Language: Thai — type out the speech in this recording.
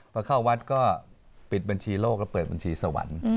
พอเข้าวัดก็ปิดบัญชีโลกแล้วเปิดบัญชีสวรรค์